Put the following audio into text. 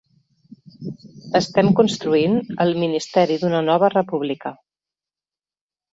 Estem construint el ministeri d’una nova república.